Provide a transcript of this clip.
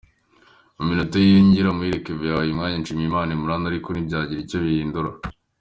Mu minota y’inyongera, Muhire Kevin yahaye umwanya Nshimiyimana Imran ariko ntibyagira icyo bihindura.